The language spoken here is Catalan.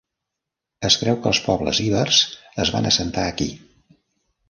Es creu que els pobles ibers es van assentar aquí.